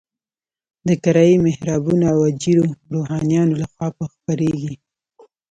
د کرایي محرابونو او اجیرو روحانیونو لخوا به خپرېږي.